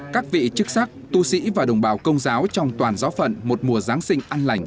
các vị chức sắc tu sĩ và đồng bào công giáo trong toàn giáo phận một mùa giáng sinh an lành